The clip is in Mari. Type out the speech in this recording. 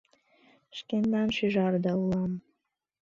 Шкендан шӱжарда улам.